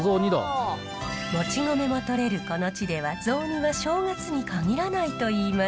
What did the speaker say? もち米もとれるこの地では雑煮は正月に限らないといいます。